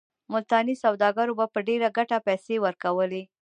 ملتاني سوداګرو به په ډېره ګټه پیسې ورکولې.